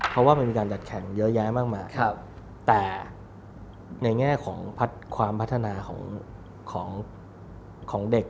เพราะว่ามันมีการจัดแข่งเยอะแยะมากมายแต่ในแง่ของความพัฒนาของเด็ก